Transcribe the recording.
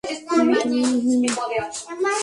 তুমি-- - মিমি!